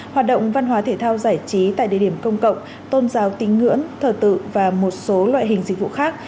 hoạt động văn hóa thể thao giải trí tại địa điểm công cộng tôn giáo tín ngưỡng thờ tự và một số loại hình dịch vụ khác